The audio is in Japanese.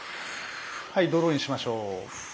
はいドローインしましょう。